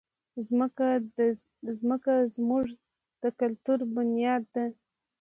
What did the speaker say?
مځکه زموږ د کلتور بنیاد ده.